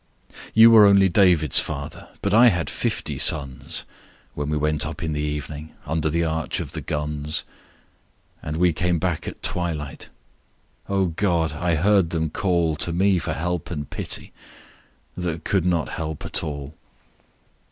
You were, only David's father, But I had fifty sons When we went up in the evening Under the arch of the guns, And we came back at twilight — O God ! I heard them call To me for help and pity That could not help at all.